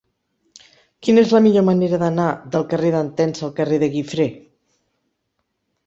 Quina és la millor manera d'anar del carrer d'Entença al carrer de Guifré?